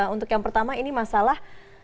untuk yang pertama ini masalah